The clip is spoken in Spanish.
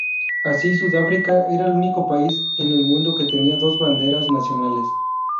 Así, Sudáfrica era el único país en el mundo que tenía dos banderas nacionales.